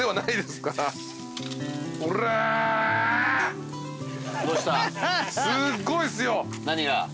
すごいっすよ。何が？